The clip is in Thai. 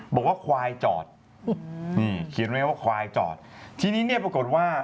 บอกว่าควายจอดนี่เขียนไว้ว่าควายจอดทีนี้เนี่ยปรากฏว่า